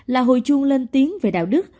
là hồi chuông lên tiếng về đạo đức